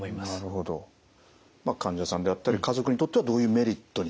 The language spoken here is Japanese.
患者さんであったり家族にとってはどういうメリットに。